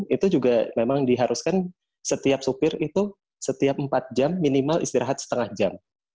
itu juga memang diharuskan setiap sopir itu setiap empat jam minimal istirahat setengah jam